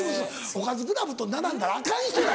おかずクラブと並んだらアカン人や。